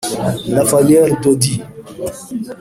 Raphael Daudi